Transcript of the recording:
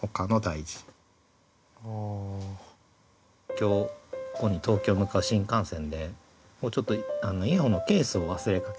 今日東京に向かう新幹線でちょっとイヤホンのケースを忘れかけて。